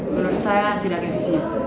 menurut saya tidak efisien